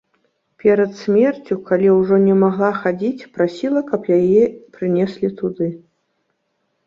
Перад смерцю, калі ўжо не магла хадзіць, прасіла, каб яе прынеслі туды.